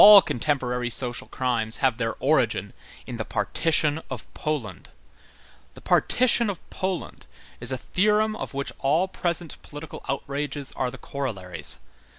All contemporary social crimes have their origin in the partition of Poland. The partition of Poland is a theorem of which all present political outrages are the corollaries.